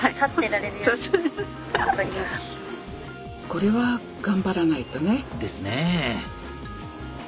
これは頑張らないとね。ですね。